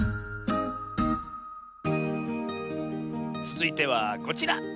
つづいてはこちら。